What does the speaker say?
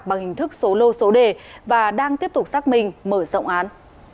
bằng hình thức số lô số đề và đang tiếp tục xác minh mở rộng án